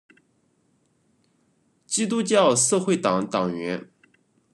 基督教社会党党员。